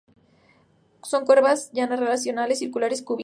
Son curvas llanas racionales, circulares, cúbicas.